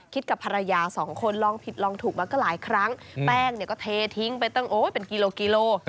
กับภรรยาสองคนลองผิดลองถูกมาก็หลายครั้งแป้งเนี่ยก็เททิ้งไปตั้งโอ๊ยเป็นกิโลกิโล